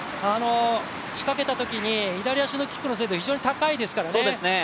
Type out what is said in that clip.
仕掛けたときに左足のキックの精度が非常に高いですからね。